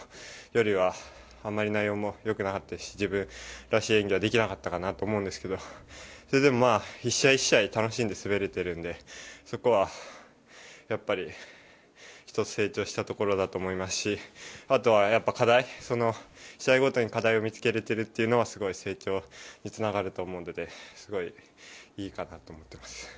あまり内容もよくなかったし自分らしい演技ができなかったかなと思うんですけどそれでも１試合１試合楽しんで滑れているのでそこはやっぱり１つ成長したところだと思いますしあとはやっぱり課題試合ごとに課題を見つけられているというのはすごい成長につながると思うのですごいいいかなと思ってます。